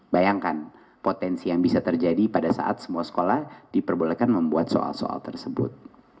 bayangkan potensi yang bisa terjadi pada saat semua sekolah diperbolehkan membuat soal soal tersebut